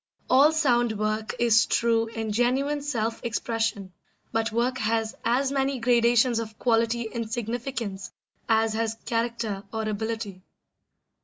All sound work is true and genuine self expression, but work has as many gradations of quality and significance as has character or ability.